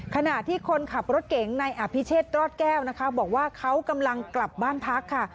ขณะที่คนขับรถเก๋งในอภิเชษรอดแก้วนะคะบอกว่าเขากำลังกลับบ้านพักค่ะ